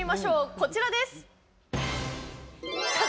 こちらです。